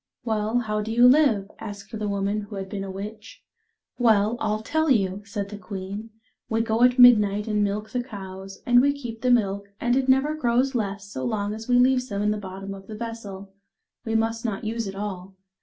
" Well, how do you live ?" asked the woman who had been a witch. "Well, I'll tell you," said the queen. "We go at midnight and milk the cows, and we keep the milk, and it never grows less so long as we leave some in the bottom of the vessel ; we must not use it all.